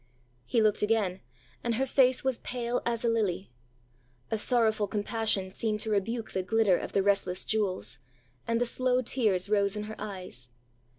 ã He looked again, and her face was pale as a lily. A sorrowful compassion seemed to rebuke the glitter of the restless jewels, and the slow tears rose in her eyes.